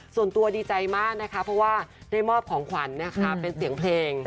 ส่วนตัวดีใจมากนะคะเพราะว่าได้มอบของขวัญนะคะเป็นเสียงเพลง